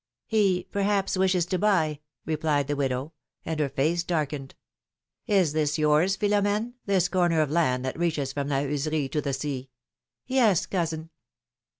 ^^ '^He, perhaps, wishes to buy,'^ replied the widow; and her face darkened. ^^Is this yours, Philomene — this corner of land that reaches from La Heuserie to the sea?^^ Yes, cousin.